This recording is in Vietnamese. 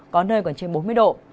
có nơi còn trên bốn mươi độ